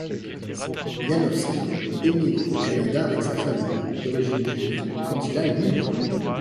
Yanovsky émigre au Canada avec sa famille, d'origine juive, quand il a huit mois.